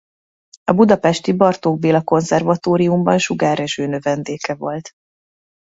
A budapesti Bartók Béla Konzervatóriumban Sugár Rezső növendéke volt.